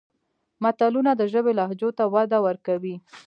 متلونه د ژبې لهجو ته وده ورکوي